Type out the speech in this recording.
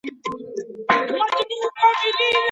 د ذهن نقشه جوړول د معلوماتو په تنظیم کي مرسته کوي.